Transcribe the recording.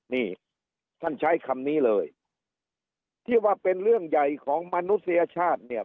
นี่ท่านใช้คำนี้เลยที่ว่าเป็นเรื่องใหญ่ของมนุษยชาติเนี่ย